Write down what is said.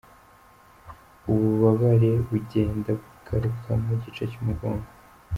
Ububabare bugenda bugaruka mu gice cy’umugongo.